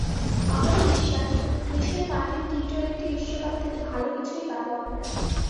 আমারও বিশ্বাস, দেশের মাটির টি-টোয়েন্টি বিশ্বকাপ থেকে ভালো কিছুই পাব আমরা।